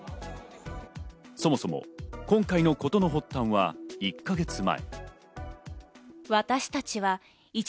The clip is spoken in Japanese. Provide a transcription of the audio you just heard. そもそも今回の事の発端は１か月前。